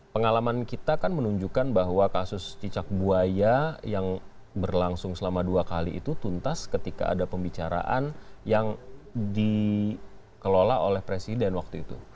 pengalaman kita kan menunjukkan bahwa kasus cicak buaya yang berlangsung selama dua kali itu tuntas ketika ada pembicaraan yang dikelola oleh presiden waktu itu